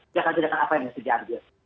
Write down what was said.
jadinya apa yang harus diambil